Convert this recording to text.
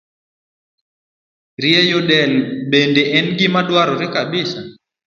Rieyo del bende en gima dwarore kabisa.